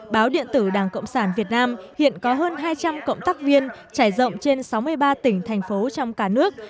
báo điện tử đảng cộng sản việt nam hiện có hơn hai trăm linh cộng tác viên trải rộng trên sáu mươi ba tỉnh thành phố trong cả nước